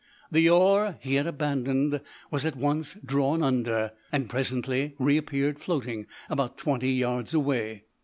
The oar he had abandoned was at once drawn under, and presently reappeared floating about twenty yards away.